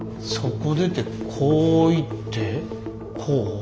そこ出てこう行ってこう？